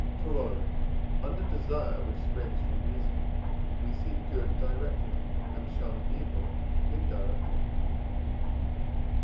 Corollary. Under desire which springs from reason, we seek good directly, and shun evil indirectly.